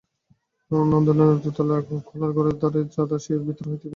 নন্দদের দোতলা খোলার ঘরের দ্বারের কাছে আসিতেই ভিতর হইতে মেয়েদের কান্নার শব্দ শোনা গেল।